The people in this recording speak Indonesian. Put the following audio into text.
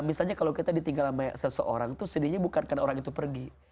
misalnya kalau kita ditinggal sama seseorang itu sedihnya bukan karena orang itu pergi